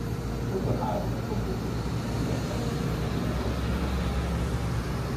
Hozzon három adag gombócot, az tizenkettő, mindenkinek négy.